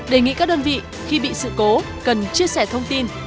đề nghị các đơn vị khi bị sự cố cần chia sẻ thông tin